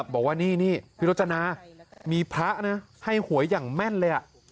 บอกว่านี่พี่รจนามีพระนะให้หวยอย่างแม่นเลย